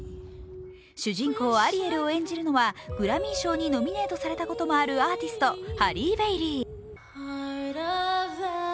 主人公・アリエルを演じるのはグラミー賞にノミネートされたこともあるアーティスト、ハリー・ベイリー。